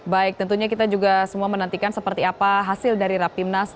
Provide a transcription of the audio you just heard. baik tentunya kita juga semua menantikan seperti apa hasil dari rapimnas